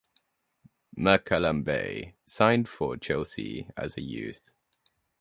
Ma-Kalambay signed for Chelsea as a youth.